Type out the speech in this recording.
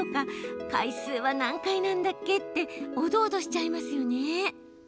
回数は何回なんだっけ？っておどおどしちゃいますよね。